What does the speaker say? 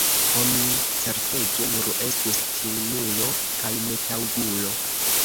Ho, mi, certege, nur estus timulo kaj netaŭgulo!